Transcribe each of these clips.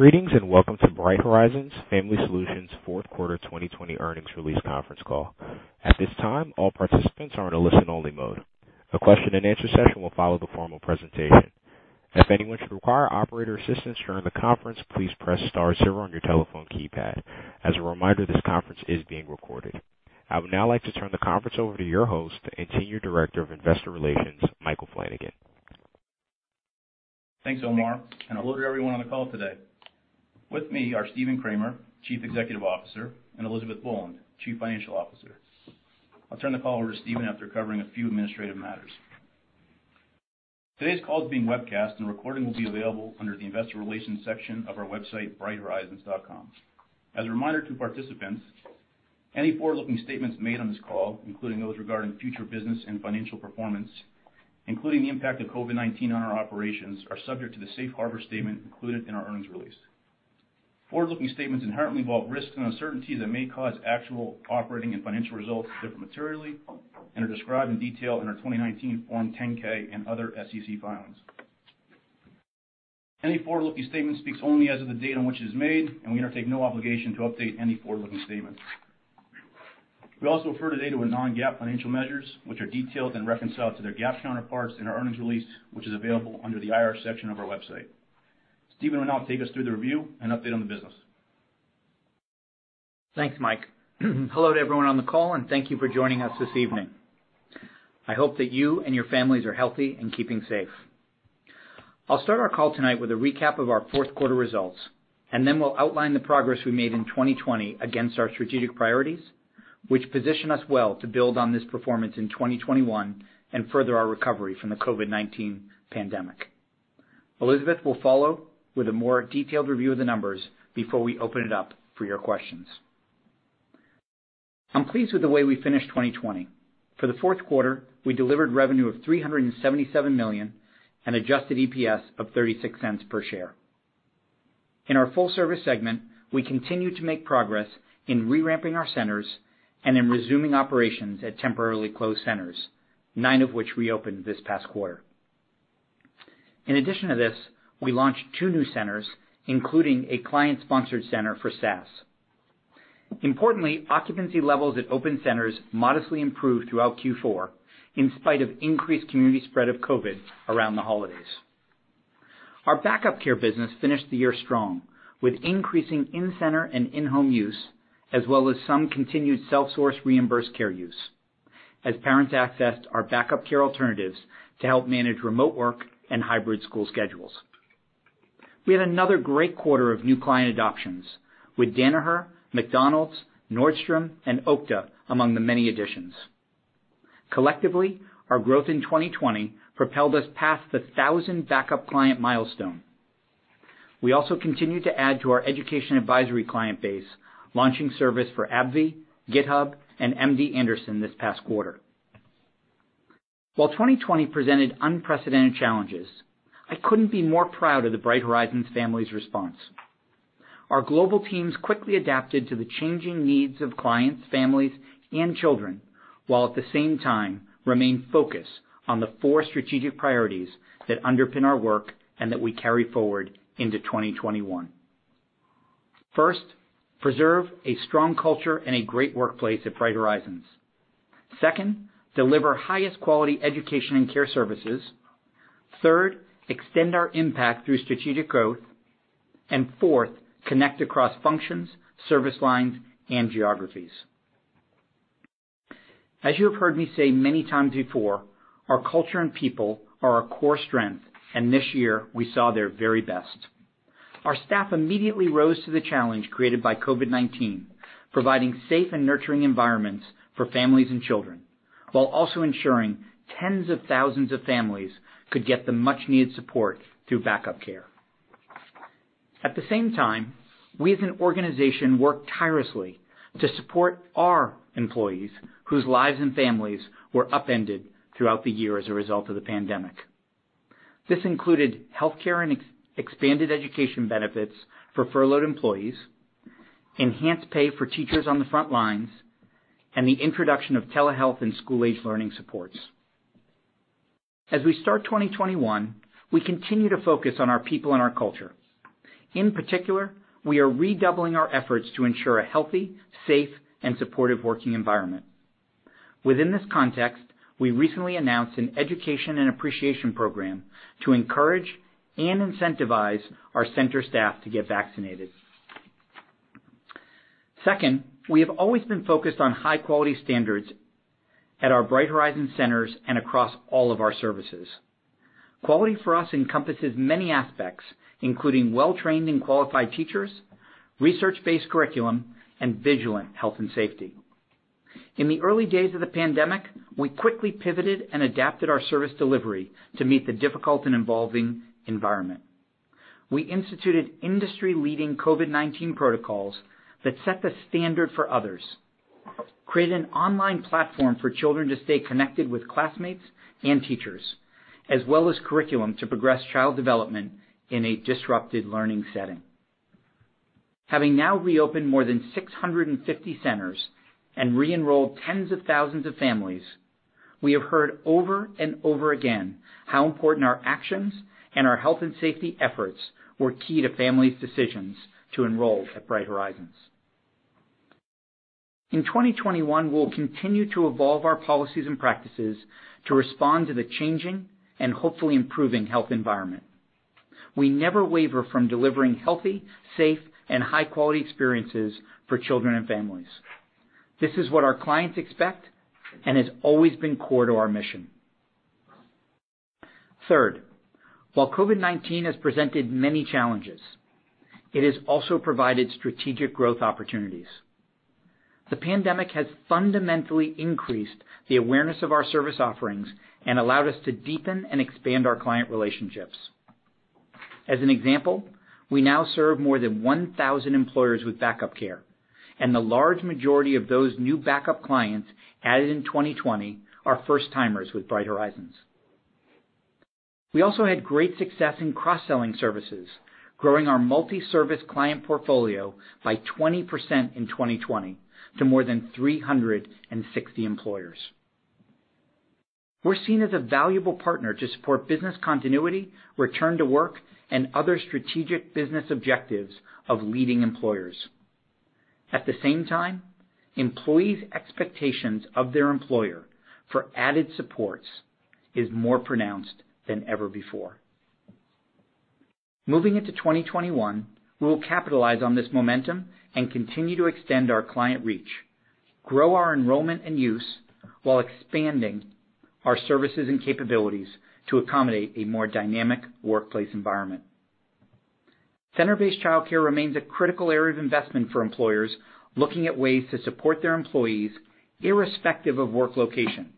Greetings, and welcome to Bright Horizons Family Solutions' Fourth Quarter 2020 earnings release conference call. At this time, all participants are in a listen-only mode. A question and answer session will follow the formal presentation. If anyone should require operator assistance during the conference, please press star zero on your telephone keypad. As a reminder, this conference is being recorded. I would now like to turn the conference over to your host and Senior Director of Investor Relations, Michael Flanagan. Thanks, Omar. Hello to everyone on the call today. With me are Stephen Kramer, Chief Executive Officer, and Elizabeth Boland, Chief Financial Officer. I'll turn the call over to Stephen after covering a few administrative matters. Today's call is being webcast, and a recording will be available under the investor relations section of our website, brighthorizons.com. As a reminder to participants, any forward-looking statements made on this call, including those regarding future business and financial performance, including the impact of COVID-19 on our operations, are subject to the safe harbor statement included in our earnings release. Forward-looking statements inherently involve risks and uncertainties that may cause actual operating and financial results to differ materially and are described in detail in our 2019 Form 10-K and other SEC filings. Any forward-looking statement speaks only as of the date on which it is made, and we undertake no obligation to update any forward-looking statements. We also refer today to our non-GAAP financial measures, which are detailed and reconciled to their GAAP counterparts in our earnings release, which is available under the IR section of our website. Stephen will now take us through the review and update on the business. Thanks, Mike. Hello to everyone on the call, thank you for joining us this evening. I hope that you and your families are healthy and keeping safe. I'll start our call tonight with a recap of our fourth quarter results, and then we'll outline the progress we made in 2020 against our strategic priorities, which position us well to build on this performance in 2021 and further our recovery from the COVID-19 pandemic. Elizabeth will follow with a more detailed review of the numbers before we open it up for your questions. I'm pleased with the way we finished 2020. For the fourth quarter, we delivered revenue of $377 million and adjusted EPS of $0.36 per share. In our full service segment, we continued to make progress in re-ramping our centers and in resuming operations at temporarily closed centers, nine of which reopened this past quarter. In addition to this, we launched two new centers, including a client-sponsored center for SAS. Importantly, occupancy levels at open centers modestly improved throughout Q4 in spite of increased community spread of COVID around the holidays. Our backup care business finished the year strong, with increasing in-center and in-home use, as well as some continued self-source reimbursed care use, as parents accessed our backup care alternatives to help manage remote work and hybrid school schedules. We had another great quarter of new client adoptions, with Danaher, McDonald's, Nordstrom, and Okta among the many additions. Collectively, our growth in 2020 propelled us past the 1,000 backup client milestone. We also continued to add to our education advisory client base, launching service for AbbVie, GitHub, and MD Anderson this past quarter. While 2020 presented unprecedented challenges, I couldn't be more proud of the Bright Horizons family's response. Our global teams quickly adapted to the changing needs of clients, families, and children, while at the same time remained focused on the four strategic priorities that underpin our work and that we carry forward into 2021. First, preserve a strong culture and a great workplace at Bright Horizons. Second, deliver highest-quality education and care services. Third, extend our impact through strategic growth. Fourth, connect across functions, service lines, and geographies. As you have heard me say many times before, our culture and people are our core strength, and this year, we saw their very best. Our staff immediately rose to the challenge created by COVID-19, providing safe and nurturing environments for families and children, while also ensuring tens of thousands of families could get the much-needed support through backup care. At the same time, we as an organization worked tirelessly to support our employees whose lives and families were upended throughout the year as a result of the pandemic. This included healthcare and expanded education benefits for furloughed employees, enhanced pay for teachers on the front lines, and the introduction of telehealth and school-age learning supports. As we start 2021, we continue to focus on our people and our culture. In particular, we are redoubling our efforts to ensure a healthy, safe, and supportive working environment. Within this context, we recently announced an education and appreciation program to encourage and incentivize our center staff to get vaccinated. Second, we have always been focused on high-quality standards at our Bright Horizons centers and across all of our services. Quality for us encompasses many aspects, including well-trained and qualified teachers, research-based curriculum, and vigilant health and safety. In the early days of the pandemic, we quickly pivoted and adapted our service delivery to meet the difficult and evolving environment. We instituted industry-leading COVID-19 protocols that set the standard for others, created an online platform for children to stay connected with classmates and teachers, as well as curriculum to progress child development in a disrupted learning setting. Having now reopened more than 650 centers and re-enrolled tens of thousands of families, we have heard over and over again how important our actions and our health and safety efforts were key to families' decisions to enroll at Bright Horizons. In 2021, we'll continue to evolve our policies and practices to respond to the changing and hopefully improving health environment. We never waver from delivering healthy, safe, and high-quality experiences for children and families. This is what our clients expect and has always been core to our mission. Third, while COVID-19 has presented many challenges, it has also provided strategic growth opportunities. The pandemic has fundamentally increased the awareness of our service offerings and allowed us to deepen and expand our client relationships. As an example, we now serve more than 1,000 employers with backup care, and the large majority of those new backup clients added in 2020 are first-timers with Bright Horizons. We also had great success in cross-selling services, growing our multi-service client portfolio by 20% in 2020 to more than 360 employers. We're seen as a valuable partner to support business continuity, return to work, and other strategic business objectives of leading employers. At the same time, employees' expectations of their employer for added supports is more pronounced than ever before. Moving into 2021, we will capitalize on this momentum and continue to extend our client reach, grow our enrollment and use, while expanding our services and capabilities to accommodate a more dynamic workplace environment. Center-based childcare remains a critical area of investment for employers looking at ways to support their employees irrespective of work location,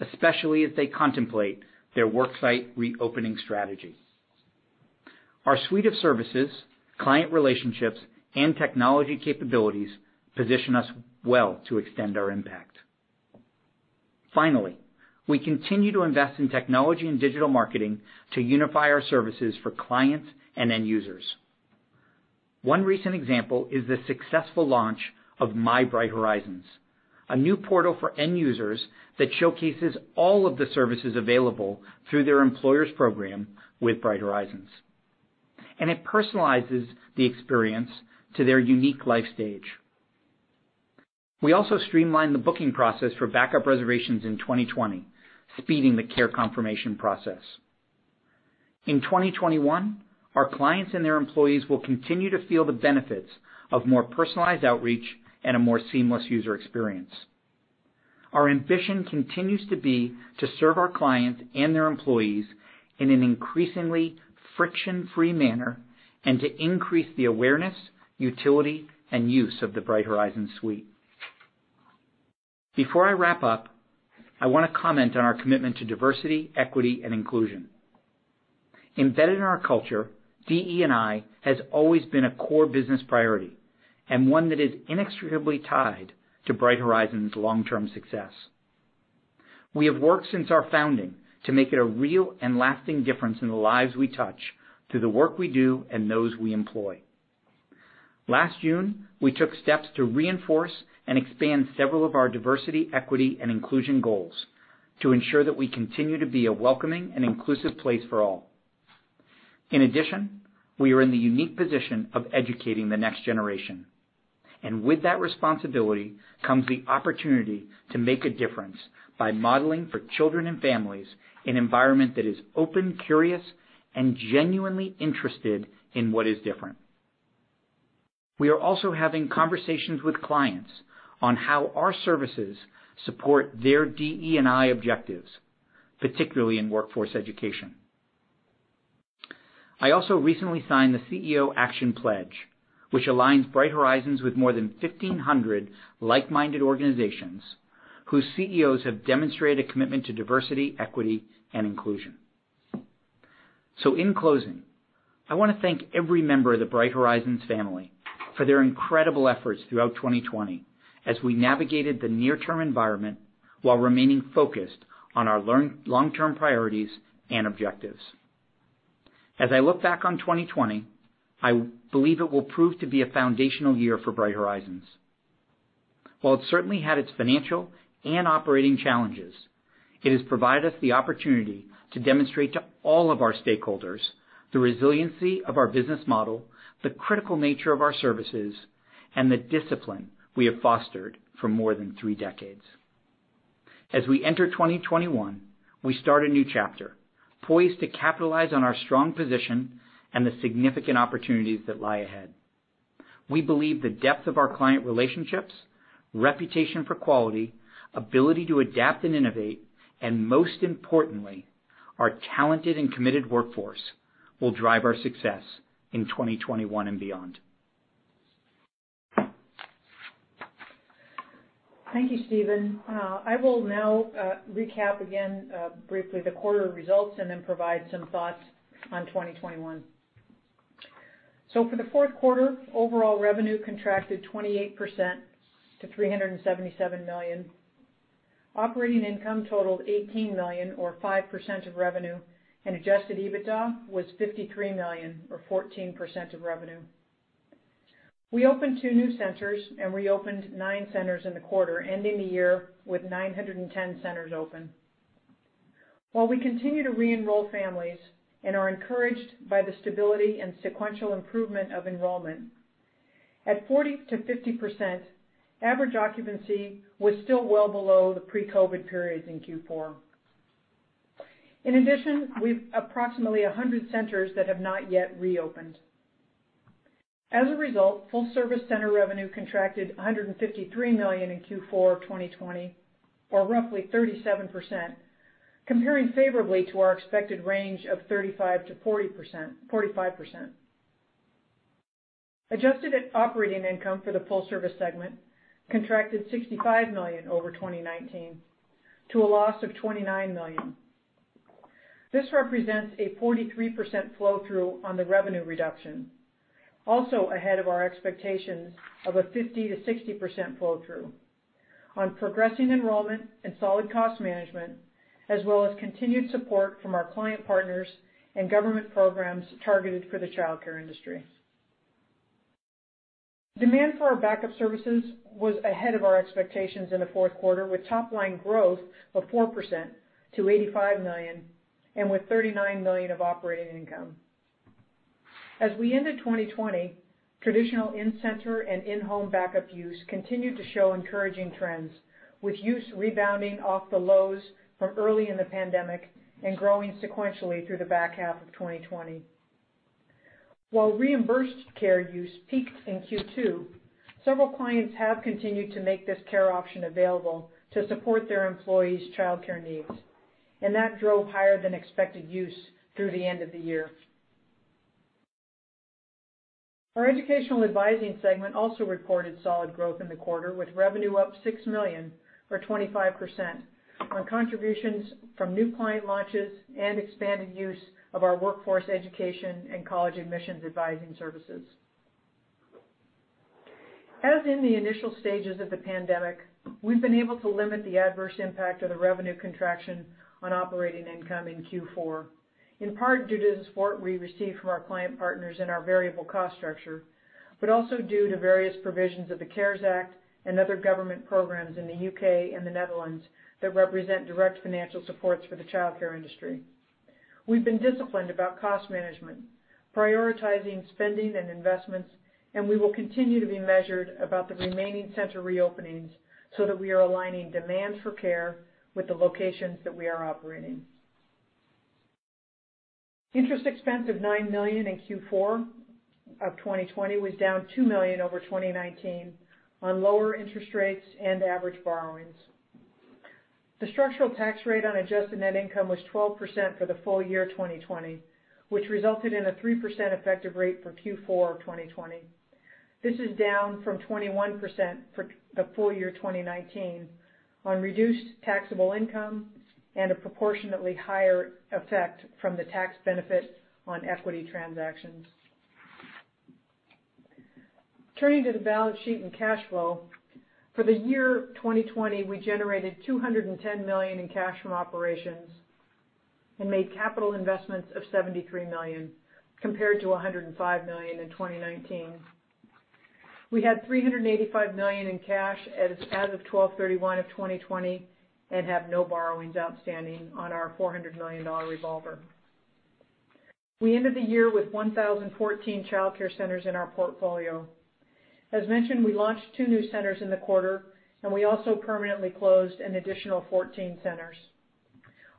especially as they contemplate their worksite reopening strategy. Our suite of services, client relationships, and technology capabilities position us well to extend our impact. Finally, we continue to invest in technology and digital marketing to unify our services for clients and end users. One recent example is the successful launch of My Bright Horizons, a new portal for end users that showcases all of the services available through their employer's program with Bright Horizons, and it personalizes the experience to their unique life stage. We also streamlined the booking process for backup reservations in 2020, speeding the care confirmation process. In 2021, our clients and their employees will continue to feel the benefits of more personalized outreach and a more seamless user experience. Our ambition continues to be to serve our clients and their employees in an increasingly friction-free manner and to increase the awareness, utility, and use of the Bright Horizons suite. Before I wrap up, I want to comment on our commitment to Diversity, Equity, and Inclusion. Embedded in our culture, DE&I has always been a core business priority and one that is inextricably tied to Bright Horizons' long-term success. We have worked since our founding to make it a real and lasting difference in the lives we touch, through the work we do and those we employ. Last June, we took steps to reinforce and expand several of our diversity, equity, and inclusion goals to ensure that we continue to be a welcoming and inclusive place for all. We are in the unique position of educating the next generation, and with that responsibility comes the opportunity to make a difference by modeling for children and families an environment that is open, curious, and genuinely interested in what is different. We are also having conversations with clients on how our services support their DE&I objectives, particularly in workforce education. I also recently signed the CEO Action Pledge, which aligns Bright Horizons with more than 1,500 like-minded organizations whose CEOs have demonstrated a commitment to diversity, equity, and inclusion. In closing, I want to thank every member of the Bright Horizons family for their incredible efforts throughout 2020 as we navigated the near-term environment while remaining focused on our long-term priorities and objectives. As I look back on 2020, I believe it will prove to be a foundational year for Bright Horizons. While it certainly had its financial and operating challenges, it has provided us the opportunity to demonstrate to all of our stakeholders the resiliency of our business model, the critical nature of our services, and the discipline we have fostered for more than three decades. As we enter 2021, we start a new chapter, poised to capitalize on our strong position and the significant opportunities that lie ahead. We believe the depth of our client relationships, reputation for quality, ability to adapt and innovate, and most importantly, our talented and committed workforce, will drive our success in 2021 and beyond. Thank you, Stephen. I will now recap again briefly the quarter results and then provide some thoughts on 2021. For the fourth quarter, overall revenue contracted 28% to $377 million. Operating income totaled $18 million or 5% of revenue, and adjusted EBITDA was $53 million or 14% of revenue. We opened two new centers and reopened nine centers in the quarter, ending the year with 910 centers open. While we continue to re-enroll families and are encouraged by the stability and sequential improvement of enrollment, at 40%-50%, average occupancy was still well below the pre-COVID periods in Q4. In addition, we've approximately 100 centers that have not yet reopened. As a result, full-service center revenue contracted $153 million in Q4 2020, or roughly 37%, comparing favorably to our expected range of 35%-45%. Adjusted operating income for the full-service segment contracted $65 million over 2019 to a loss of $29 million. This represents a 43% flow-through on the revenue reduction, also ahead of our expectations of a 50%-60% flow-through on progressing enrollment and solid cost management, as well as continued support from our client partners and government programs targeted for the childcare industry. Demand for our backup services was ahead of our expectations in the fourth quarter, with top-line growth of 4% to $85 million and with $39 million of operating income. As we ended 2020, traditional in-center and in-home backup use continued to show encouraging trends, with use rebounding off the lows from early in the pandemic and growing sequentially through the back half of 2020. While reimbursed care use peaked in Q2, several clients have continued to make this care option available to support their employees' childcare needs, and that drove higher than expected use through the end of the year. Our educational advising segment also reported solid growth in the quarter, with revenue up $6 million or 25% on contributions from new client launches and expanded use of our workforce education and college admissions advising services. As in the initial stages of the pandemic, we've been able to limit the adverse impact of the revenue contraction on operating income in Q4. In part due to the support we receive from our client partners and our variable cost structure, but also due to various provisions of the CARES Act and other government programs in the U.K. and the Netherlands that represent direct financial supports for the childcare industry. We've been disciplined about cost management, prioritizing spending and investments, and we will continue to be measured about the remaining center reopenings so that we are aligning demand for care with the locations that we are operating. Interest expense of $9 million in Q4 of 2020 was down $2 million over 2019 on lower interest rates and average borrowings. The structural tax rate on adjusted net income was 12% for the full year 2020, which resulted in a 3% effective rate for Q4 2020. This is down from 21% for the full year 2019 on reduced taxable income and a proportionately higher effect from the tax benefit on equity transactions. Turning to the balance sheet and cash flow. For the year 2020, we generated $210 million in cash from operations and made capital investments of $73 million, compared to $105 million in 2019. We had $385 million in cash as of 12/31/2020 and have no borrowings outstanding on our $400 million revolver. We ended the year with 1,014 childcare centers in our portfolio. As mentioned, we launched two new centers in the quarter, and we also permanently closed an additional 14 centers.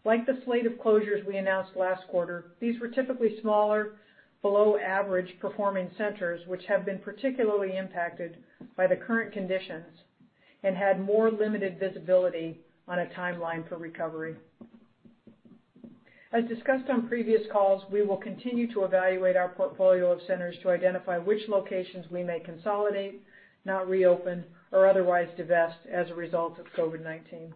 Like the slate of closures we announced last quarter, these were typically smaller, below average performing centers, which have been particularly impacted by the current conditions and had more limited visibility on a timeline for recovery. As discussed on previous calls, we will continue to evaluate our portfolio of centers to identify which locations we may consolidate, not reopen, or otherwise divest as a result of COVID-19.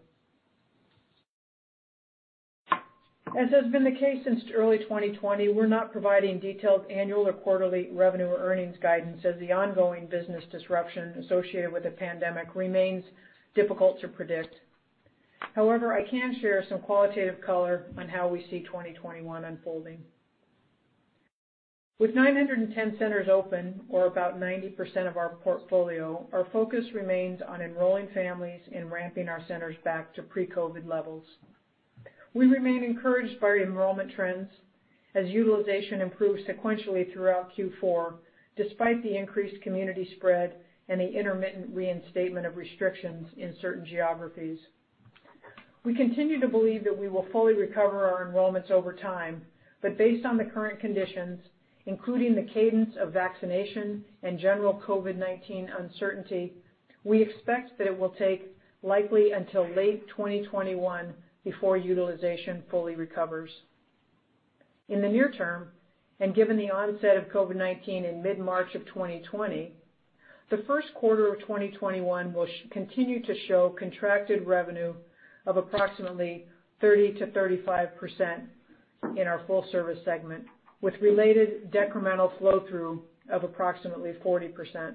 As has been the case since early 2020, we're not providing detailed annual or quarterly revenue earnings guidance, as the ongoing business disruption associated with the pandemic remains difficult to predict. However, I can share some qualitative color on how we see 2021 unfolding. With 910 centers open or about 90% of our portfolio, our focus remains on enrolling families and ramping our centers back to pre-COVID-19 levels. We remain encouraged by enrollment trends as utilization improves sequentially throughout Q4, despite the increased community spread and the intermittent reinstatement of restrictions in certain geographies. We continue to believe that we will fully recover our enrollments over time, based on the current conditions, including the cadence of vaccination and general COVID-19 uncertainty, we expect that it will take likely until late 2021 before utilization fully recovers. In the near term, given the onset of COVID-19 in mid-March of 2020, the first quarter of 2021 will continue to show contracted revenue of approximately 30%-35%. In our full service segment with related decremental flow through of approximately 40%.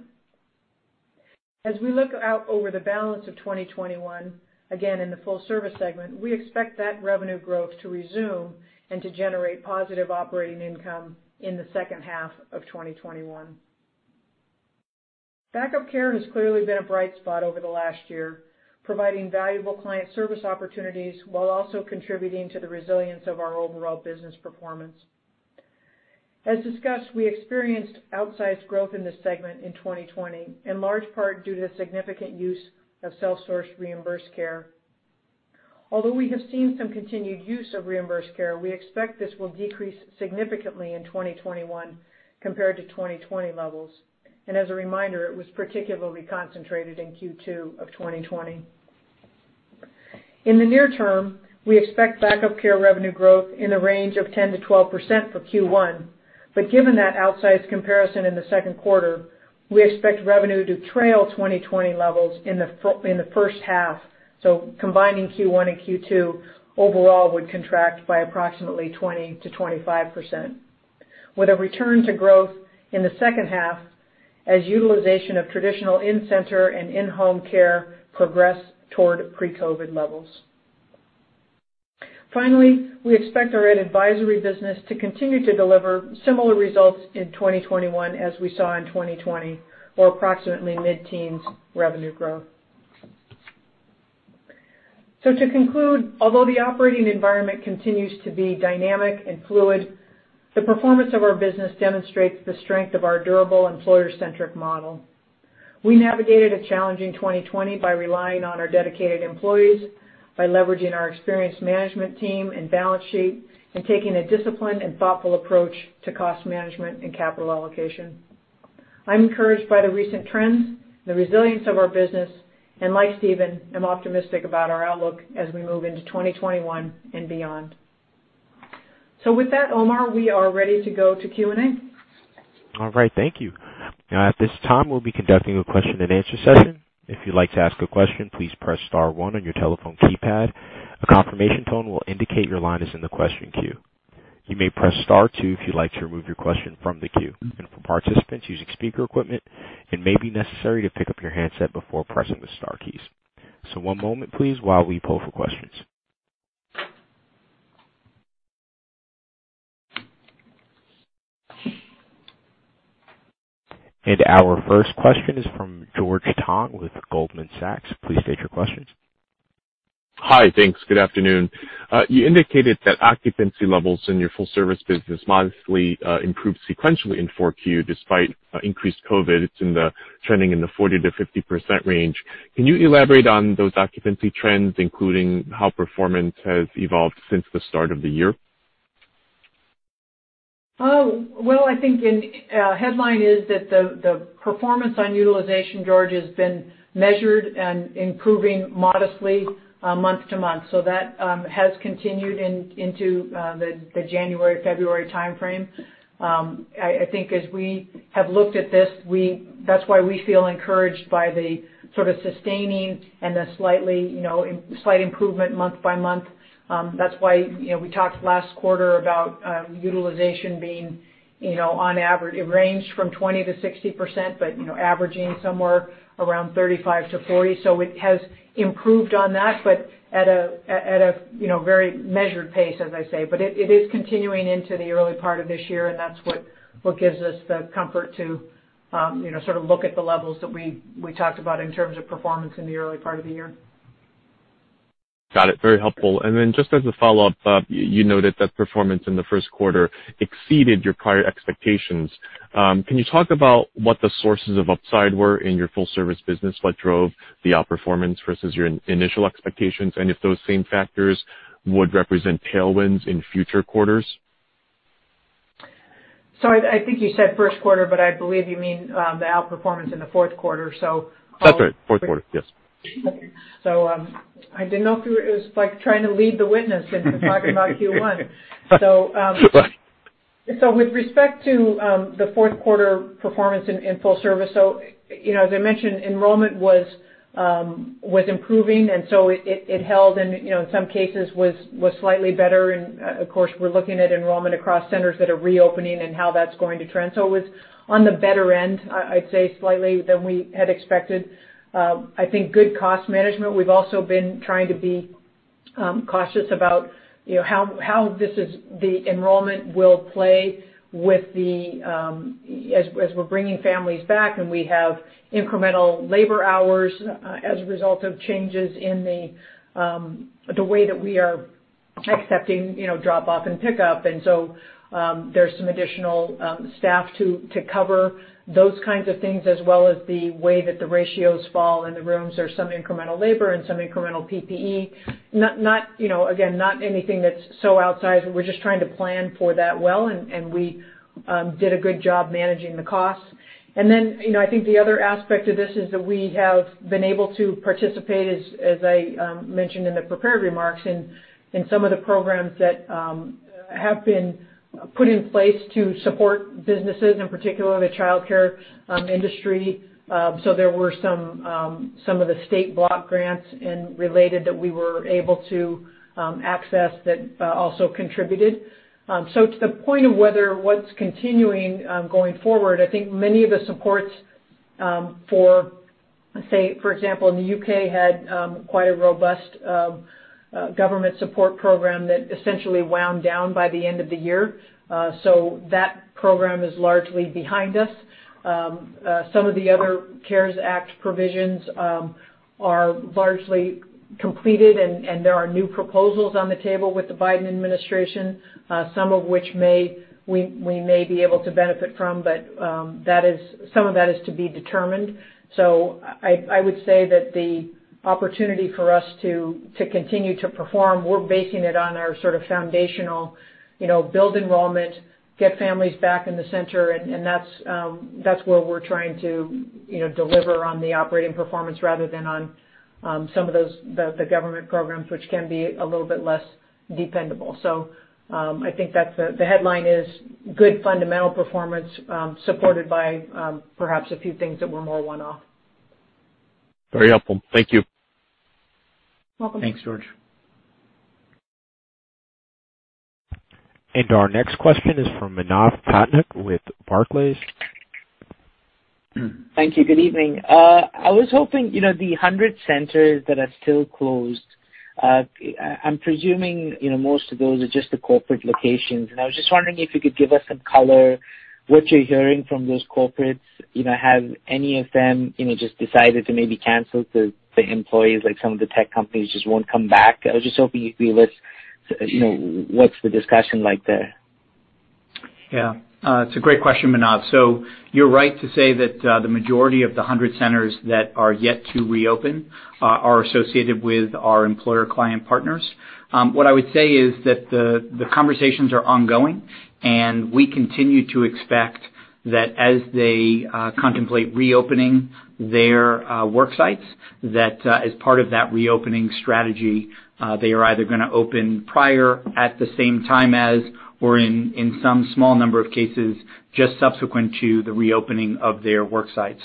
As we look out over the balance of 2021, again, in the full service segment, we expect that revenue growth to resume and to generate positive operating income in the second half of 2021. Backup care has clearly been a bright spot over the last year, providing valuable client service opportunities while also contributing to the resilience of our overall business performance. As discussed, we experienced outsized growth in this segment in 2020, in large part due to significant use of self-sourced reimbursed care. Although we have seen some continued use of reimbursed care, we expect this will decrease significantly in 2021 compared to 2020 levels. As a reminder, it was particularly concentrated in Q2 of 2020. In the near term, we expect backup care revenue growth in the range of 10%-12% for Q1. Given that outsized comparison in the second quarter, we expect revenue to trail 2020 levels in the first half. Combining Q1 and Q2 overall would contract by approximately 20%-25% with a return to growth in the second half as utilization of traditional in-center and in-home care progress toward pre-COVID levels. Finally, we expect our advisory business to continue to deliver similar results in 2021 as we saw in 2020, or approximately mid-teens revenue growth. To conclude, although the operating environment continues to be dynamic and fluid, the performance of our business demonstrates the strength of our durable employer-centric model. We navigated a challenging 2020 by relying on our dedicated employees, by leveraging our experienced management team and balance sheet, and taking a disciplined and thoughtful approach to cost management and capital allocation. I'm encouraged by the recent trends, the resilience of our business, and like Stephen, am optimistic about our outlook as we move into 2021 and beyond. With that, Omar, we are ready to go to Q&A. All right, thank you. At this time, we'll be conducting a question and answer session. If you'd like to ask a question, please press star one on your telephone keypad. A confirmation tone will indicate your line is in the question queue. You may press star two if you'd like to remove your question from the queue. For participants using speaker equipment, it may be necessary to pick up your handset before pressing the star keys. One moment, please, while we poll for questions. Our first question is from George Tong with Goldman Sachs. Please state your question. Hi. Thanks. Good afternoon. You indicated that occupancy levels in your full service business modestly improved sequentially in 4Q despite increased COVID-19. It's trending in the 40%-50% range. Can you elaborate on those occupancy trends, including how performance has evolved since the start of the year? I think the headline is that the performance on utilization, George, has been measured and improving modestly month-to-month. That has continued into the January-February timeframe. I think as we have looked at this, that's why we feel encouraged by the sort of sustaining and the slight improvement month-by-month. That's why we talked last quarter about utilization being on average, it ranged from 20%-60%, but averaging somewhere around 35%-40%. It has improved on that, but at a very measured pace, as I say. It is continuing into the early part of this year, and that's what gives us the comfort to sort of look at the levels that we talked about in terms of performance in the early part of the year. Got it. Very helpful. Just as a follow-up, you noted that performance in the first quarter exceeded your prior expectations. Can you talk about what the sources of upside were in your full service business that drove the outperformance versus your initial expectations, and if those same factors would represent tailwinds in future quarters? I think you said first quarter, but I believe you mean the outperformance in the fourth quarter. That's right, fourth quarter. Yes. I didn't know if you were trying to lead the witness talking about Q1. Right. With respect to the fourth quarter performance in full service, as I mentioned, enrollment was improving, it held and in some cases was slightly better. Of course, we're looking at enrollment across centers that are reopening and how that's going to trend. It was on the better end, I'd say, slightly than we had expected. I think good cost management. We've also been trying to be cautious about how the enrollment will play as we're bringing families back, and we have incremental labor hours as a result of changes in the way that we are accepting drop-off and pick-up. There's some additional staff to cover those kinds of things, as well as the way that the ratios fall in the rooms. There's some incremental labor and some incremental PPE. Again, not anything that's so outsized. We're just trying to plan for that well. We did a good job managing the costs. I think the other aspect of this is that we have been able to participate, as I mentioned in the prepared remarks, in some of the programs that have been put in place to support businesses, in particular the childcare industry. There were some of the state block grants and related that we were able to access that also contributed. To the point of whether what's continuing going forward, I think many of the supports for, say, for example, the U.K. had quite a robust government support program that essentially wound down by the end of the year. That program is largely behind us. Some of the other CARES Act provisions are largely completed, and there are new proposals on the table with the Biden administration, some of which we may be able to benefit from. Some of that is to be determined. I would say that the opportunity for us to continue to perform, we're basing it on our sort of foundational build enrollment, get families back in the center, and that's where we're trying to deliver on the operating performance rather than on some of the government programs, which can be a little bit less dependable. I think the headline is good fundamental performance supported by perhaps a few things that were more one-off. Very helpful. Thank you. Welcome. Thanks, George. Our next question is from Manav Patnaik with Barclays. Thank you. Good evening. I was hoping, the 100 centers that are still closed, I'm presuming, most of those are just the corporate locations, and I was just wondering if you could give us some color, what you're hearing from those corporates? Have any of them just decided to maybe cancel the employees, like some of the tech companies just won't come back? I was just hoping you could give us what's the discussion like there? Yeah. It's a great question, Manav. You're right to say that the majority of the 100 centers that are yet to reopen are associated with our employer client partners. What I would say is that the conversations are ongoing, and we continue to expect that as they contemplate reopening their work sites, that as part of that reopening strategy, they are either going to open prior, at the same time as, or in some small number of cases, just subsequent to the reopening of their work sites.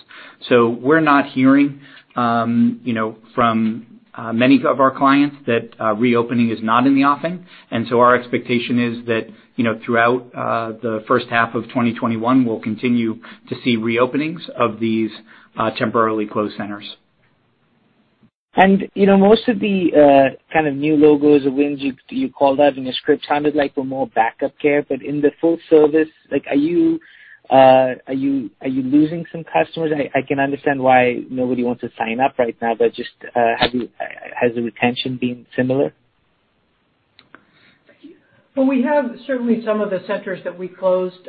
We're not hearing from many of our clients that reopening is not in the offing. Our expectation is that throughout the first half of 2021, we'll continue to see reopenings of these temporarily closed centers. Most of the kind of new logos or wins you called out in your script sounded like were more backup care. In the full service, are you losing some customers? I can understand why nobody wants to sign up right now, but just has the retention been similar? Well, we have certainly some of the centers that we closed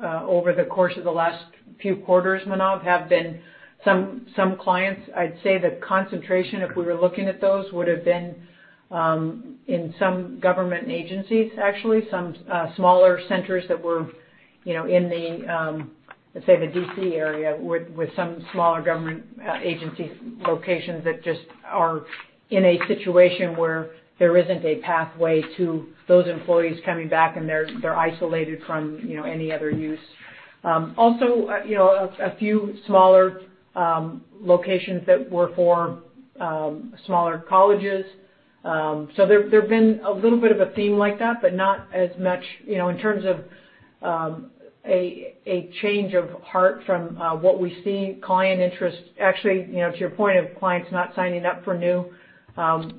over the course of the last few quarters, Manav, have been some clients. I'd say the concentration, if we were looking at those, would've been in some government agencies, actually. Some smaller centers that were in the, let's say, the D.C. area, with some smaller government agency locations that just are in a situation where there isn't a pathway to those employees coming back, and they're isolated from any other use. A few smaller locations that were for smaller colleges. There've been a little bit of a theme like that, but not as much in terms of a change of heart from what we see client interest. Actually, to your point of clients not signing up for new,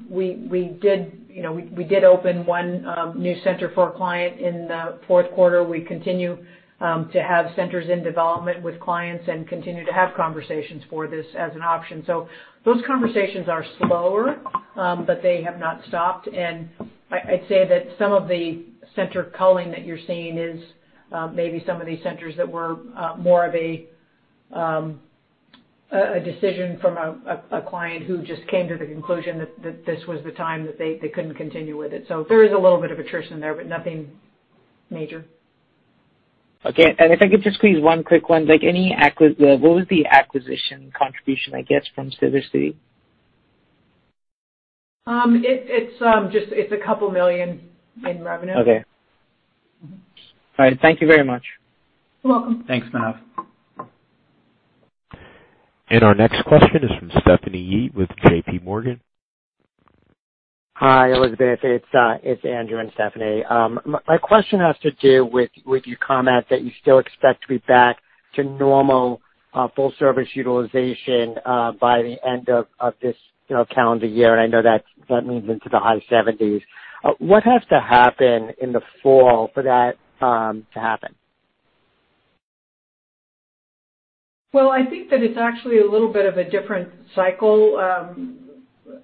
we did open one new center for a client in the fourth quarter. We continue to have centers in development with clients and continue to have conversations for this as an option. Those conversations are slower, but they have not stopped. I'd say that some of the center culling that you're seeing is maybe some of these centers that were more of a decision from a client who just came to the conclusion that this was the time that they couldn't continue with it. There is a little bit of attrition there, but nothing major. Okay. If I could just please one quick one. What was the acquisition contribution, I guess, from Sittercity? It's a couple million in revenue. Okay. All right. Thank you very much. You're welcome. Thanks, Manav. Our next question is from Stephanie Yee with JPMorgan. Hi, Elizabeth. It's Andrew and Stephanie. My question has to do with your comment that you still expect to be back to normal full service utilization by the end of this calendar year, and I know that moves into the high 70s. What has to happen in the fall for that to happen? I think that it's actually a little bit of a different cycle,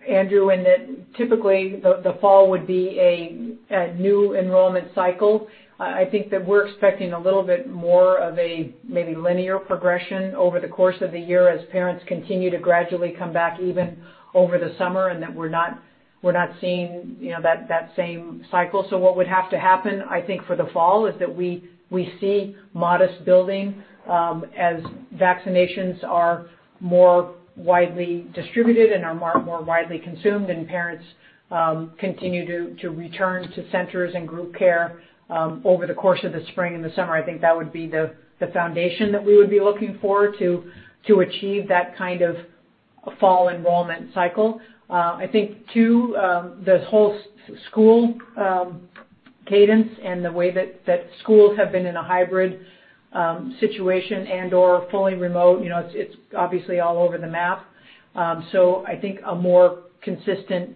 Andrew, in that typically, the fall would be a new enrollment cycle. I think that we're expecting a little bit more of a maybe linear progression over the course of the year as parents continue to gradually come back, even over the summer, and that we're not seeing that same cycle. What would have to happen, I think, for the fall, is that we see modest building as vaccinations are more widely distributed and are more widely consumed and parents continue to return to centers and group care over the course of the spring and the summer. I think that would be the foundation that we would be looking for to achieve that kind of fall enrollment cycle. I think, two, the whole school cadence and the way that schools have been in a hybrid situation and/or fully remote, it's obviously all over the map. I think a more consistent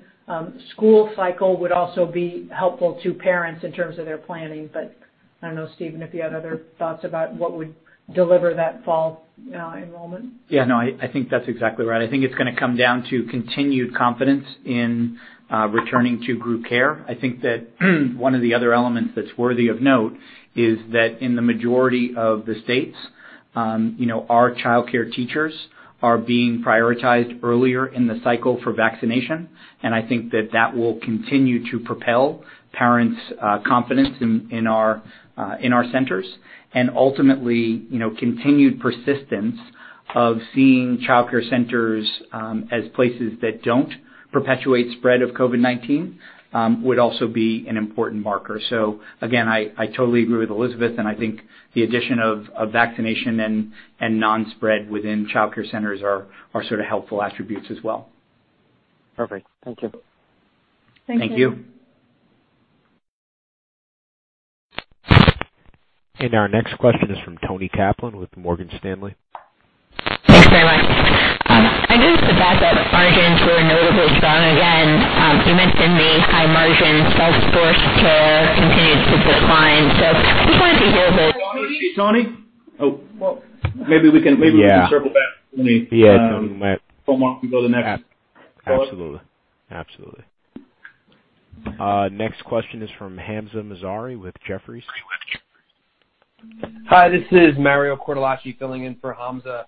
school cycle would also be helpful to parents in terms of their planning. I don't know, Stephen, if you had other thoughts about what would deliver that fall enrollment. Yeah, no, I think that's exactly right. I think it's going to come down to continued confidence in returning to group care. I think that one of the other elements that's worthy of note is that in the majority of the states, our childcare teachers are being prioritized earlier in the cycle for vaccination, and I think that that will continue to propel parents' confidence in our centers and ultimately, continued persistence of seeing childcare centers as places that don't perpetuate spread of COVID-19 would also be an important marker. Again, I totally agree with Elizabeth, and I think the addition of vaccination and non-spread within childcare centers are helpful attributes as well. Perfect. Thank you. Thank you. Thank you. Our next question is from Toni Kaplan with Morgan Stanley. Thanks very much. I noticed the fact that margins were notably strong again. You mentioned the high margin self-source care continued to decline. I just wanted to hear. Toni? Well, maybe we can circle back. Yeah. Yeah, Toni. Before we go to the next call. Absolutely. Next question is from Hamzah Mazari with Jefferies. With you. Hi, this is Mario Cortellacci filling in for Hamzah.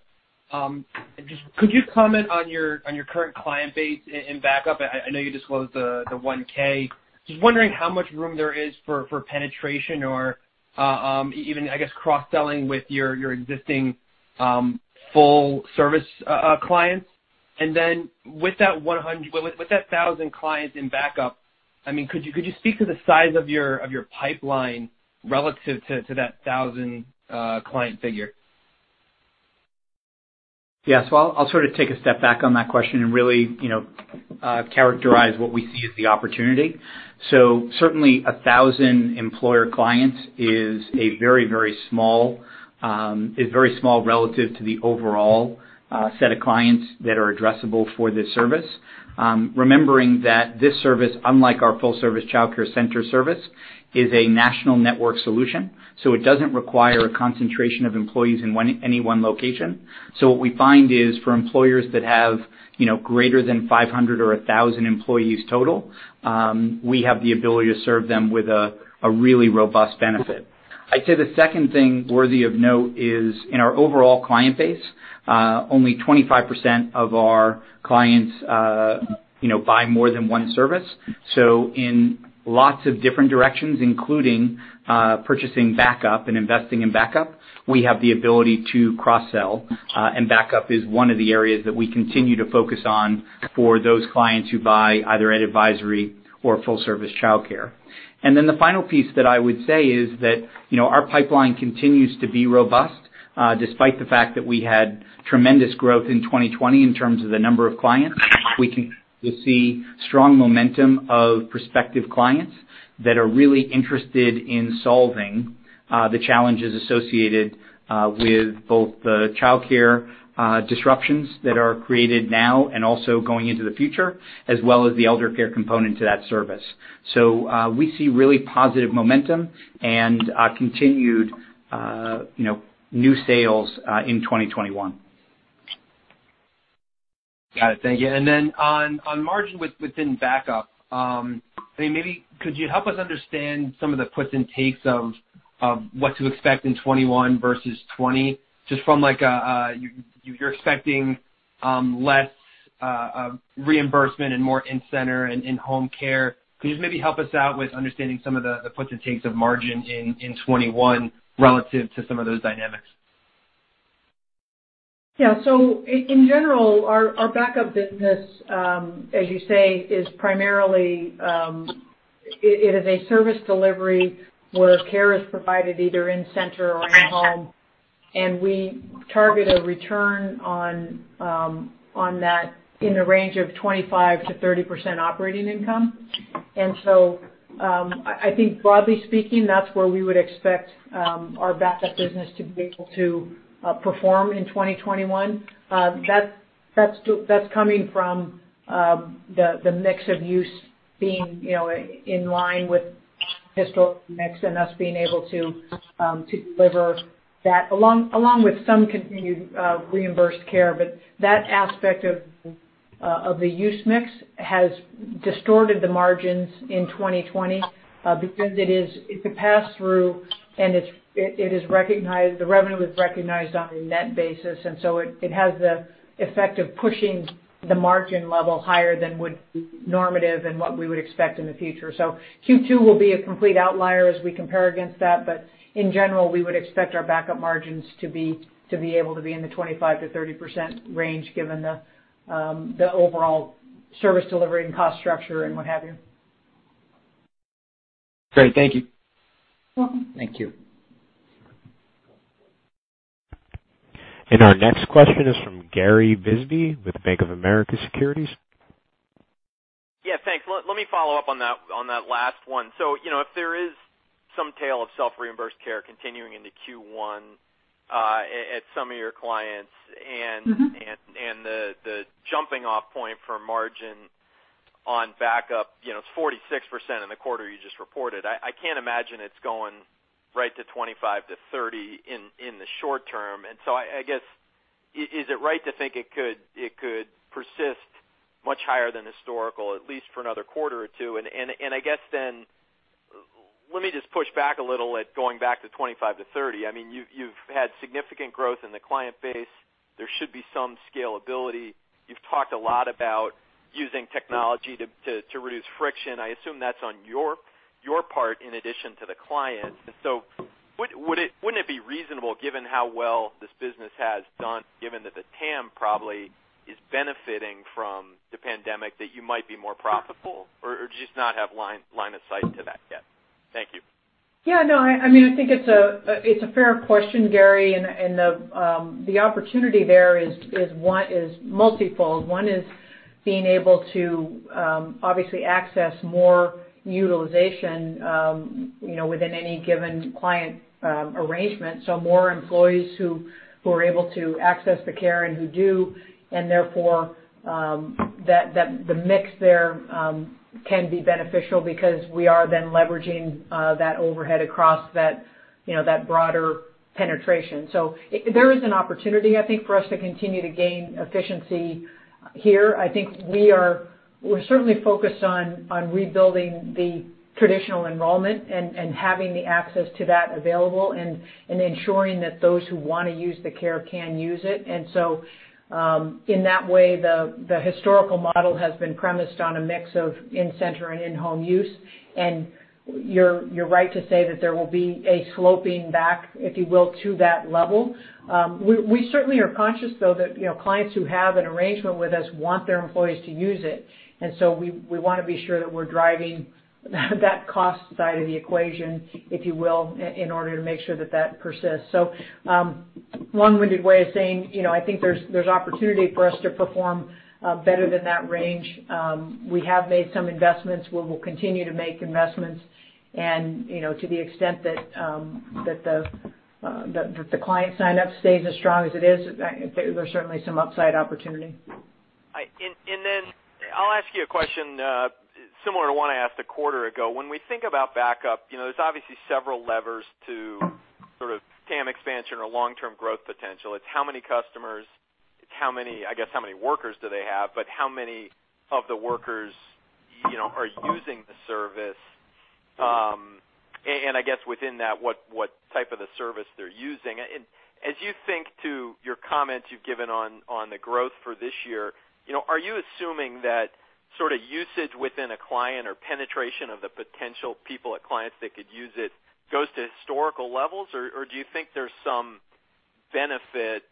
Could you comment on your current client base in backup? I know you disclosed the 1,000. Just wondering how much room there is for penetration or even, I guess, cross-selling with your existing full service clients. Then with that 1,000 clients in backup, could you speak to the size of your pipeline relative to that 1,000 client figure? Yeah. I'll sort of take a step back on that question and really characterize what we see as the opportunity. Certainly 1,000 employer clients is very small relative to the overall set of clients that are addressable for this service. Remembering that this service, unlike our full service childcare center service, is a national network solution, so it doesn't require a concentration of employees in any one location. What we find is for employers that have greater than 500 or 1,000 employees total, we have the ability to serve them with a really robust benefit. I'd say the second thing worthy of note is in our overall client base, only 25% of our clients buy more than one service. In lots of different directions, including purchasing backup and investing in backup, we have the ability to cross-sell, and backup is one of the areas that we continue to focus on for those clients who buy either ed advisory or full service childcare. The final piece that I would say is that our pipeline continues to be robust. Despite the fact that we had tremendous growth in 2020 in terms of the number of clients, we continue to see strong momentum of prospective clients that are really interested in solving the challenges associated with both the childcare disruptions that are created now and also going into the future, as well as the elder care component to that service. We see really positive momentum and continued new sales in 2021. Got it. Thank you. Then on margin within back-up, could you help us understand some of the puts and takes of what to expect in 2021 versus 2020, just from like you're expecting less reimbursement and more in-center and in-home care. Could you just maybe help us out with understanding some of the puts and takes of margin in 2021 relative to some of those dynamics? Yeah. In general, our backup business, as you say, it is a service delivery where care is provided either in center or in home, and we target a return on that in the range of 25%-30% operating income. I think broadly speaking, that's where we would expect our backup business to be able to perform in 2021. That's coming from the mix of use being in line with historical mix and us being able to deliver that, along with some continued reimbursed care. That aspect of the use mix has distorted the margins in 2020 because it's a pass-through, and the revenue is recognized on a net basis, and so it has the effect of pushing the margin level higher than would be normative and what we would expect in the future. Q2 will be a complete outlier as we compare against that. In general, we would expect our backup margins to be able to be in the 25%-30% range given the overall service delivery and cost structure and what have you. Great. Thank you. Welcome. Thank you. Our next question is from Gary Bisbee with Bank of America Securities. Yeah, thanks. Let me follow up on that last one. If there is some tail of self-reimbursed care continuing into Q1 at some of your clients. The jumping off point for margin on backup, it's 46% in the quarter you just reported. I can't imagine it's going right to 25%-30% in the short term. I guess, is it right to think it could persist much higher than historical, at least for another quarter or two? I guess then, let me just push back a little at going back to 25%-30%. You've had significant growth in the client base. There should be some scalability. You've talked a lot about using technology to reduce friction. I assume that's on your part in addition to the client. Wouldn't it be reasonable, given how well this business has done, given that the TAM probably is benefiting from the pandemic, that you might be more profitable, or do you just not have line of sight to that yet? Thank you. Yeah, no, I think it's a fair question, Gary. The opportunity there is multifold. One is being able to, obviously, access more utilization within any given client arrangement. More employees who are able to access the care and who do, and therefore, the mix there can be beneficial because we are then leveraging that overhead across that broader penetration. There is an opportunity, I think, for us to continue to gain efficiency here. I think we're certainly focused on rebuilding the traditional enrollment and having the access to that available, and ensuring that those who want to use the care can use it. In that way, the historical model has been premised on a mix of in-center and in-home use. You're right to say that there will be a sloping back, if you will, to that level. We certainly are conscious, though, that clients who have an arrangement with us want their employees to use it. We want to be sure that we're driving that cost side of the equation, if you will, in order to make sure that that persists. Long-winded way of saying, I think there's opportunity for us to perform better than that range. We have made some investments, where we'll continue to make investments, and to the extent that the client sign-up stays as strong as it is, there's certainly some upside opportunity. Then I'll ask you a question similar to one I asked a quarter ago. When we think about backup, there's obviously several levers to sort of TAM expansion or long-term growth potential. It's how many customers, I guess, how many workers do they have, but how many of the workers are using the service? I guess within that, what type of the service they're using. As you think to your comments you've given on the growth for this year, are you assuming that sort of usage within a client or penetration of the potential people at clients that could use it goes to historical levels, or do you think there's some benefit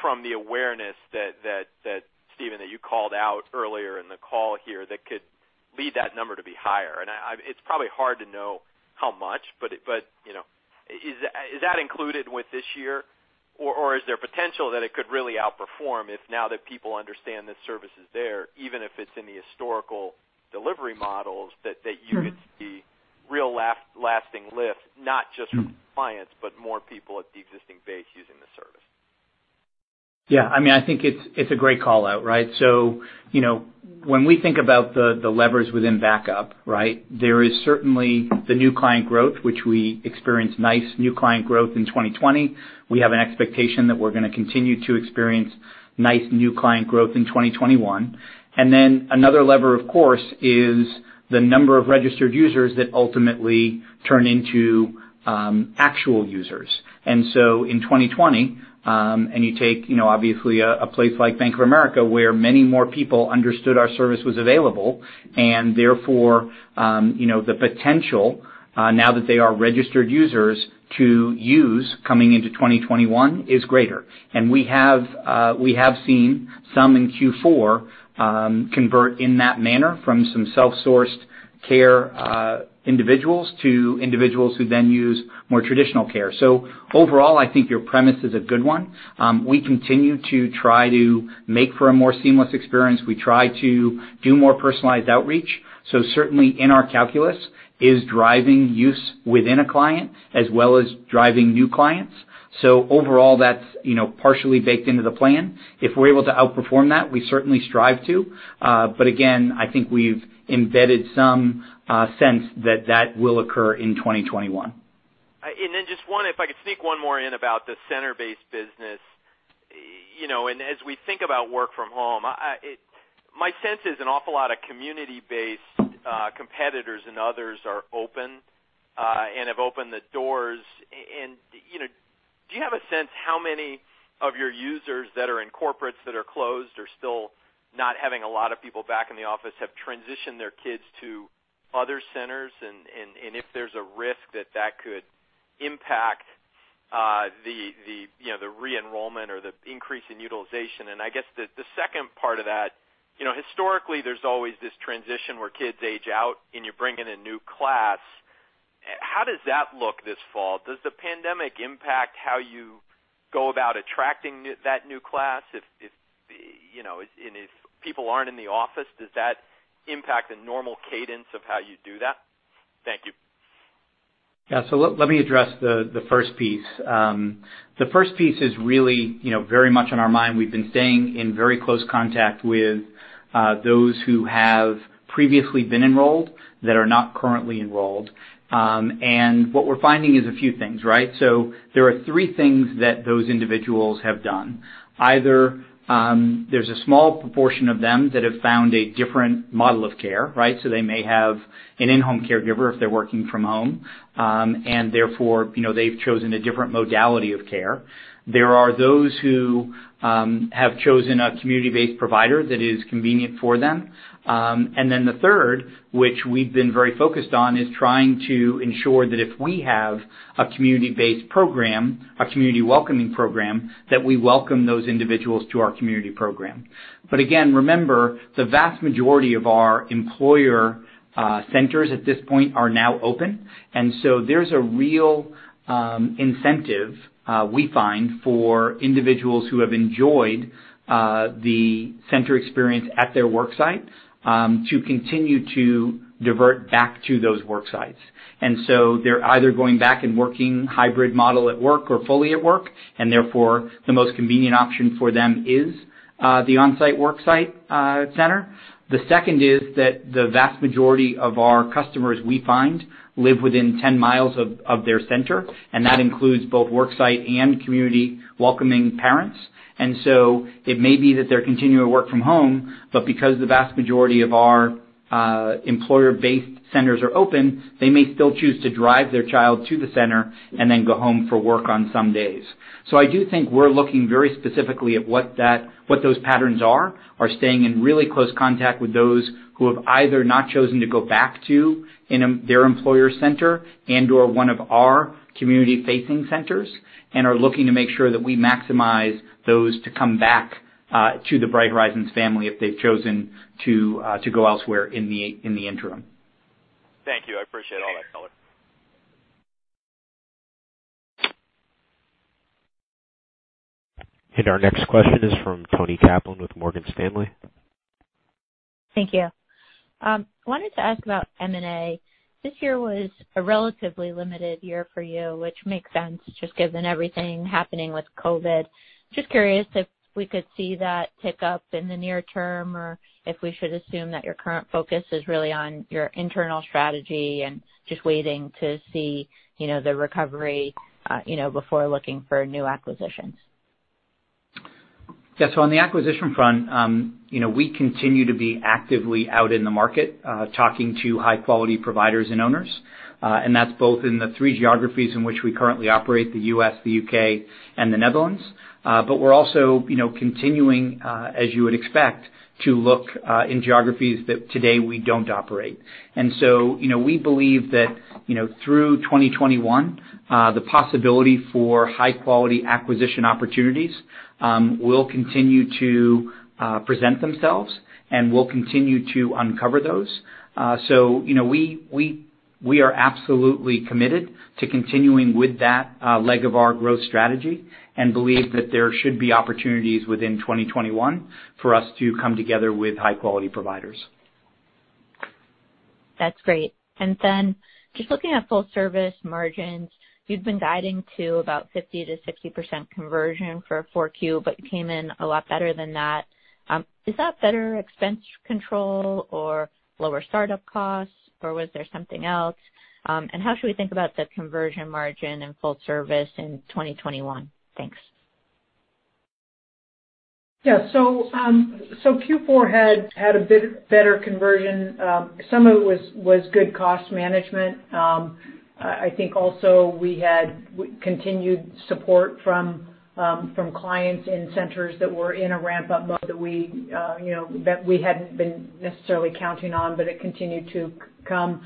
from the awareness that, Stephen, that you called out earlier in the call here that could lead that number to be higher? It's probably hard to know how much, but is that included with this year, or is there potential that it could really outperform if now that people understand the service is there, even if it's in the historical delivery models, that you could see real lasting lift, not just from clients, but more people at the existing base using the service? Yeah. I think it's a great call-out, right? When we think about the levers within backup, there is certainly the new client growth, which we experienced nice new client growth in 2020. We have an expectation that we're going to continue to experience nice new client growth in 2021. Another lever, of course, is the number of registered users that ultimately turn into actual users. In 2020, and you take obviously a place like Bank of America, where many more people understood our service was available, and therefore, the potential, now that they are registered users, to use coming into 2021 is greater. We have seen some in Q4 convert in that manner from some self-sourced care individuals to individuals who then use more traditional care. Overall, I think your premise is a good one. We continue to try to make for a more seamless experience. We try to do more personalized outreach. Certainly in our calculus is driving use within a client as well as driving new clients. Overall, that's partially baked into the plan. If we're able to outperform that, we certainly strive to. Again, I think we've embedded some sense that that will occur in 2021. Just one, if I could sneak one more in about the center-based business. As we think about work from home, my sense is an awful lot of community-based competitors and others are open, and have opened the doors. Do you have a sense how many of your users that are in corporates that are closed are still not having a lot of people back in the office, have transitioned their kids to other centers, and if there's a risk that that could impact the re-enrollment or the increase in utilization. I guess the second part of that, historically, there's always this transition where kids age out and you bring in a new class. How does that look this fall? Does the pandemic impact how you go about attracting that new class? If people aren't in the office, does that impact the normal cadence of how you do that? Thank you. Yeah. Let me address the first piece. The first piece is really very much on our mind. We've been staying in very close contact with those who have previously been enrolled that are not currently enrolled. What we're finding is a few things, right? There are three things that those individuals have done. Either there's a small proportion of them that have found a different model of care, right? They may have an in-home caregiver if they're working from home. Therefore, they've chosen a different modality of care. There are those who have chosen a community-based provider that is convenient for them. The third, which we've been very focused on, is trying to ensure that if we have a community-based program, a community welcoming program, that we welcome those individuals to our community program. Again, remember, the vast majority of our employer centers at this point are now open. There's a real incentive, we find, for individuals who have enjoyed the center experience at their work site to continue to divert back to those work sites. They're either going back and working hybrid model at work or fully at work, and therefore, the most convenient option for them is the on-site work site center. The second is that the vast majority of our customers, we find, live within 10 miles of their center, and that includes both work site and community welcoming parents. It may be that they're continuing to work from home, but because the vast majority of our employer-based centers are open, they may still choose to drive their child to the center and then go home for work on some days. I do think we're looking very specifically at what those patterns are staying in really close contact with those who have either not chosen to go back to their employer center and/or one of our community-facing centers, and are looking to make sure that we maximize those to come back to the Bright Horizons family if they've chosen to go elsewhere in the interim. Thank you. I appreciate all that color. Our next question is from Toni Kaplan with Morgan Stanley. Thank you. I wanted to ask about M&A. This year was a relatively limited year for you, which makes sense, just given everything happening with COVID. Just curious if we could see that tick up in the near term, or if we should assume that your current focus is really on your internal strategy and just waiting to see the recovery before looking for new acquisitions. Yeah. On the acquisition front, we continue to be actively out in the market, talking to high-quality providers and owners. That's both in the three geographies in which we currently operate, the U.S., the U.K., and the Netherlands. We're also continuing, as you would expect, to look in geographies that today we don't operate. We believe that through 2021, the possibility for high-quality acquisition opportunities will continue to present themselves, and we'll continue to uncover those. We are absolutely committed to continuing with that leg of our growth strategy and believe that there should be opportunities within 2021 for us to come together with high-quality providers. That's great. Just looking at full service margins, you've been guiding to about 50%-60% conversion for 4Q, but you came in a lot better than that. Is that better expense control or lower startup costs, or was there something else? How should we think about the conversion margin in full service in 2021? Thanks. Q4 had a better conversion. Some of it was good cost management. I think also we had continued support from clients in centers that were in a ramp-up mode that we hadn't been necessarily counting on, but it continued to come.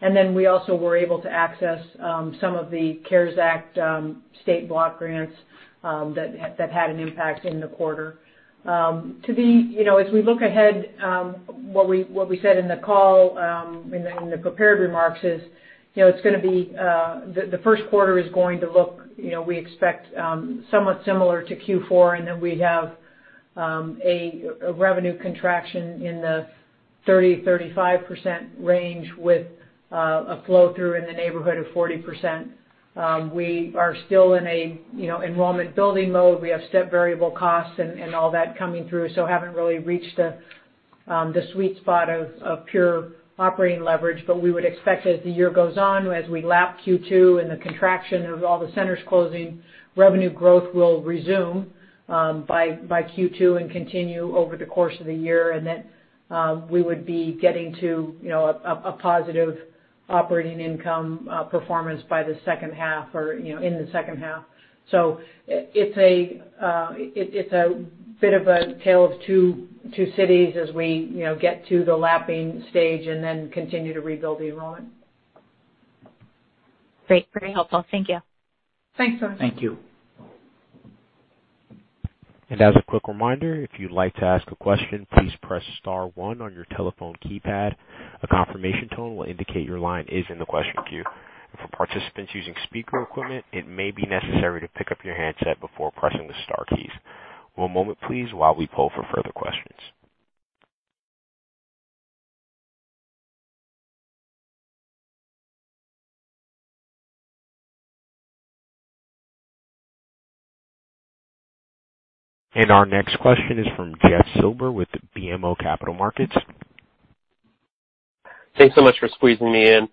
Then we also were able to access some of the CARES Act state block grants that had an impact in the quarter. As we look ahead, what we said in the call in the prepared remarks is, the first quarter is going to look, we expect, somewhat similar to Q4, and then we have a revenue contraction in the 30%-35% range with a flow-through in the neighborhood of 40%. We are still in an enrollment-building mode. We have step variable costs and all that coming through, so haven't really reached the sweet spot of pure operating leverage. We would expect as the year goes on, as we lap Q2 and the contraction of all the centers closing, revenue growth will resume by Q2 and continue over the course of the year, and that we would be getting to a positive operating income performance by the second half or in the second half. It's a bit of a tale of two cities as we get to the lapping stage and then continue to rebuild the enrollment. Great. Very helpful. Thank you. Thanks, Toni. Thank you. As a quick reminder, if you'd like to ask a question, please press star one on your telephone keypad. A confirmation tone will indicate your line is in the question queue. For participants using speaker equipment, it may be necessary to pick up your handset before pressing the star keys. One moment, please, while we poll for further questions. Our next question is from Jeff Silber with BMO Capital Markets. Thanks so much for squeezing me in.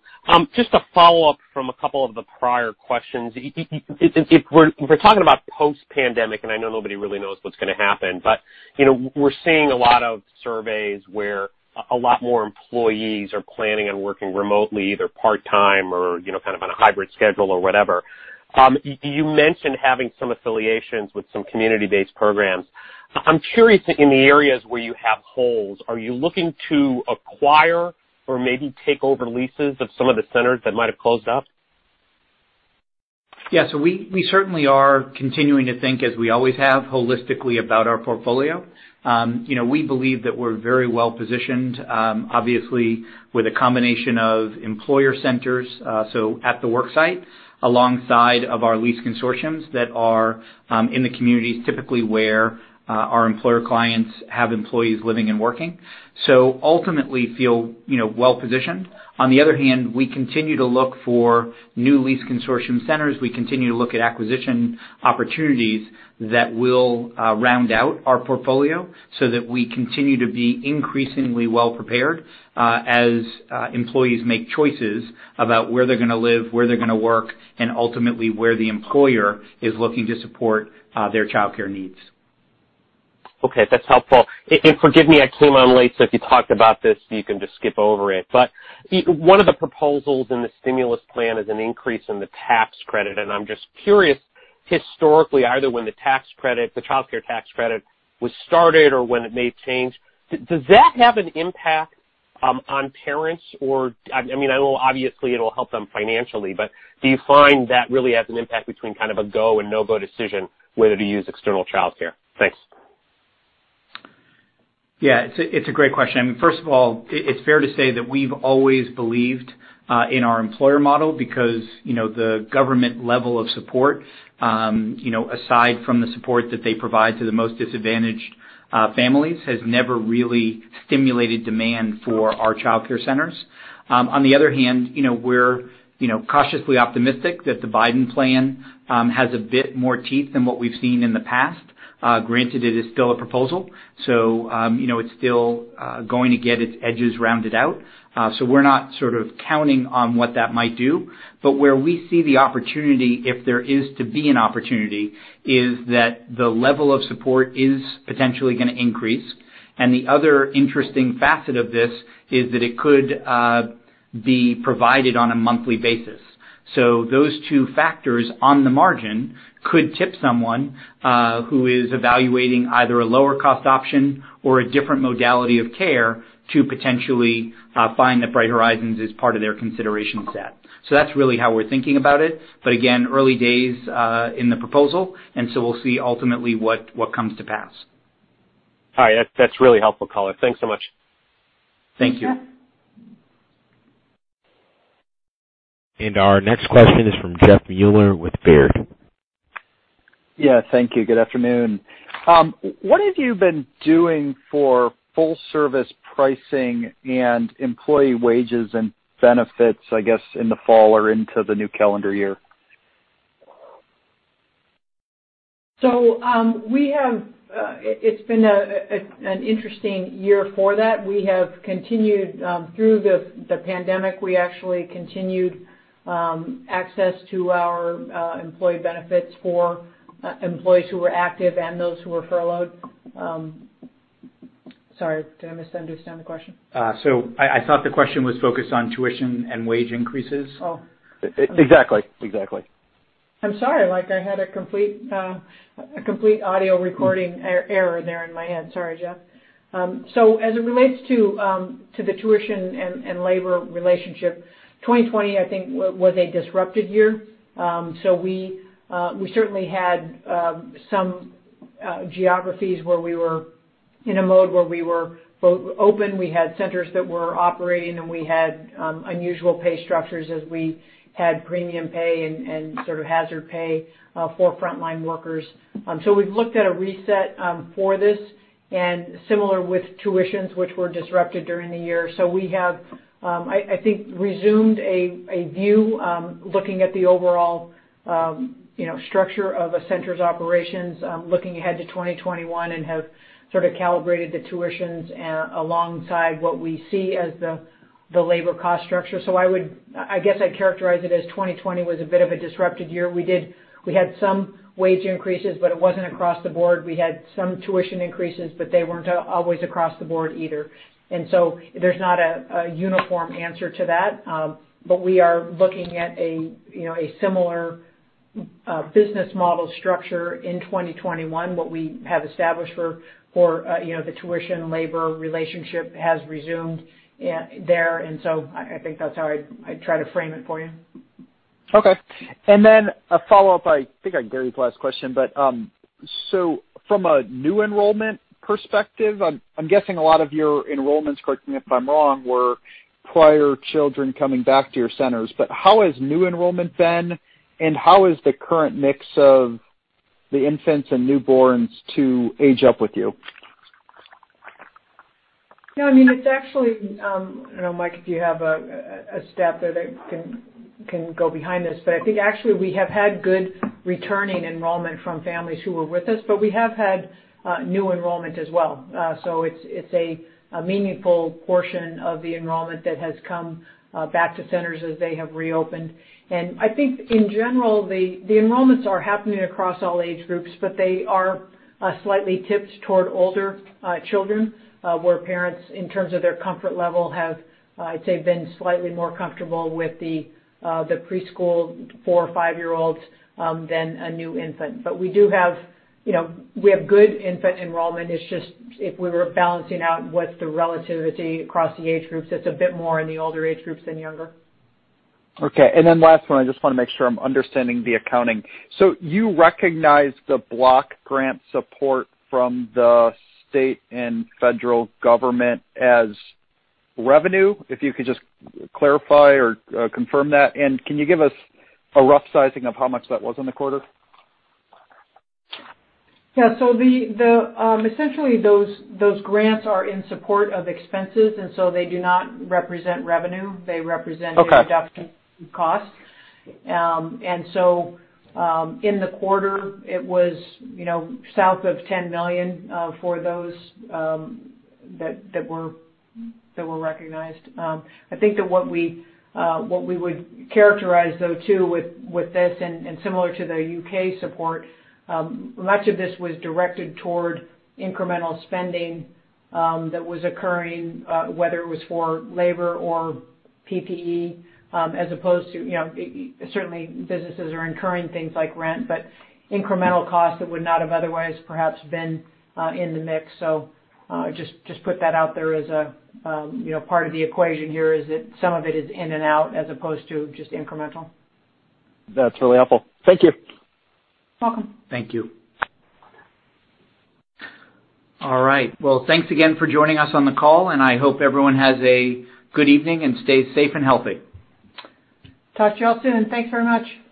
Just a follow-up from a couple of the prior questions. If we're talking about post-pandemic, and I know nobody really knows what's going to happen, but we're seeing a lot of surveys where a lot more employees are planning on working remotely, either part-time or kind of on a hybrid schedule or whatever. You mentioned having some affiliations with some community-based programs. I'm curious, in the areas where you have holes, are you looking to acquire or maybe take over leases of some of the centers that might have closed up? Yeah. We certainly are continuing to think, as we always have, holistically about our portfolio. We believe that we're very well-positioned, obviously, with a combination of employer centers, so at the work site, alongside of our lease consortiums that are in the communities typically where our employer clients have employees living and working. We ultimately feel well-positioned. On the other hand, we continue to look for new lease consortium centers. We continue to look at acquisition opportunities that will round out our portfolio so that we continue to be increasingly well-prepared as employees make choices about where they're going to live, where they're going to work, and ultimately, where the employer is looking to support their childcare needs. Okay, that's helpful. Forgive me, I came on late, so if you talked about this, you can just skip over it. One of the proposals in the stimulus plan is an increase in the tax credit, and I'm just curious, historically, either when the childcare tax credit was started or when it made change, does that have an impact on parents or Obviously, it'll help them financially, but do you find that really has an impact between kind of a go and no-go decision whether to use external childcare? Thanks. Yeah. It's a great question. First of all, it's fair to say that we've always believed in our employer model because, the government level of support, aside from the support that they provide to the most disadvantaged families, has never really stimulated demand for our childcare centers. On the other hand, we're cautiously optimistic that the Biden plan has a bit more teeth than what we've seen in the past. Granted, it is still a proposal, so it's still going to get its edges rounded out. We're not sort of counting on what that might do, but where we see the opportunity, if there is to be an opportunity, is that the level of support is potentially going to increase. The other interesting facet of this is that it could be provided on a monthly basis. Those two factors on the margin could tip someone who is evaluating either a lower cost option or a different modality of care to potentially find that Bright Horizons is part of their consideration set. That's really how we're thinking about it. Again, early days in the proposal, and so we'll see ultimately what comes to pass. All right. That's really helpful color. Thanks so much. Thank you. Thanks, Jeff. Our next question is from Jeffrey Meuler with Baird. Yeah. Thank you. Good afternoon. What have you been doing for full service pricing and employee wages and benefits, I guess, in the fall or into the new calendar year? It's been an interesting year for that. We have continued through the pandemic. We actually continued access to our employee benefits for employees who were active and those who were furloughed. Sorry, did I misunderstand the question? I thought the question was focused on tuition and wage increases. Oh. Exactly. I'm sorry. I had a complete audio recording error there in my head. Sorry, Jeff. As it relates to the tuition and labor relationship, 2020, I think, was a disrupted year. We certainly had some geographies where we were in a mode where we were both open, we had centers that were operating, and we had unusual pay structures as we had premium pay and sort of hazard pay for frontline workers. We've looked at a reset for this, and similar with tuitions, which were disrupted during the year. We have, I think, resumed a view looking at the overall structure of a center's operations, looking ahead to 2021, and have sort of calibrated the tuitions alongside what we see as the labor cost structure. I guess I'd characterize it as 2020 was a bit of a disrupted year. We had some wage increases, but it wasn't across the board. We had some tuition increases, but they weren't always across the board either. There's not a uniform answer to that. We are looking at a similar business model structure in 2021, what we have established for the tuition-labor relationship has resumed there. I think that's how I'd try to frame it for you. Okay. Then a follow-up, I think I gave you the last question, from a new enrollment perspective, I'm guessing a lot of your enrollments, correct me if I'm wrong, were prior children coming back to your centers. How has new enrollment been, and how has the current mix of the infants and newborns to age up with you? Yeah, I don't know, Mike, if you have a stat there that can go behind this, but I think actually we have had good returning enrollment from families who were with us, but we have had new enrollment as well. It's a meaningful portion of the enrollment that has come back to centers as they have reopened. I think in general, the enrollments are happening across all age groups, but they are slightly tipped toward older children, where parents, in terms of their comfort level, have, I'd say, been slightly more comfortable with the preschool four or five-year-olds than a new infant. We have good infant enrollment, it's just if we were balancing out what's the relativity across the age groups, it's a bit more in the older age groups than younger. Okay. Last one, I just want to make sure I'm understanding the accounting. You recognized the block grant support from the state and federal government as revenue? If you could just clarify or confirm that. Can you give us a rough sizing of how much that was in the quarter? Yeah. Essentially, those grants are in support of expenses, and so they do not represent revenue. Okay. A deduction of costs. In the quarter, it was south of $10 million for those that were recognized. I think that what we would characterize, though, too, with this, and similar to the U.K. support, much of this was directed toward incremental spending that was occurring, whether it was for labor or PPE, as opposed to, certainly businesses are incurring things like rent, but incremental costs that would not have otherwise perhaps been in the mix. Just put that out there as part of the equation here is that some of it is in and out, as opposed to just incremental. That's really helpful. Thank you. Welcome. Thank you. All right. Well, thanks again for joining us on the call, and I hope everyone has a good evening and stays safe and healthy. Talk to you all soon. Thanks very much.